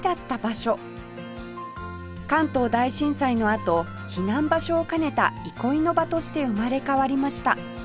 関東大震災のあと避難場所を兼ねた憩いの場として生まれ変わりました